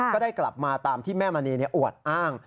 ก็ได้กลับมาตามที่แม่มณีอวดอ้าง